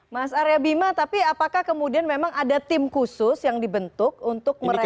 mas arya bima tapi apakah kemudian memang ada tim khusus yang dibentuk untuk merevisi